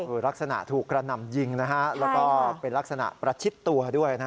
ต้องรักษณะถูกกระนำยิงและเป็นรักษณะประชิดตัวด้วย